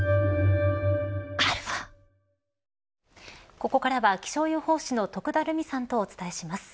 ここからは気象予報士の徳田留美さんとお伝えします。